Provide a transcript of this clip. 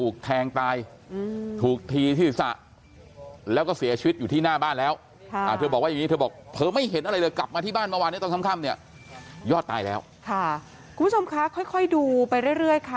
ค่อยดูไปเรื่อยค่ะ